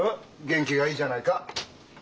元気がいいじゃないか。